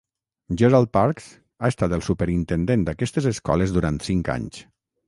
Gerald Parks ha estat el superintendent d'aquestes escoles durant cinc anys.